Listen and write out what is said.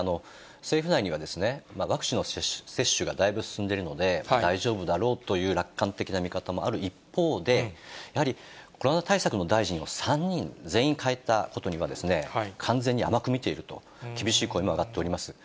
政府内にはワクチンの接種がだいぶ進んでいるので、大丈夫だろうという楽観的な見方もある一方で、やはりコロナ対策の大臣３人全員代えたことには、完全に甘く見ていると、厳しい声も上がっております。